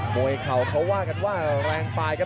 มุยเข่าเขาว่ากันว่าแรงไปครับ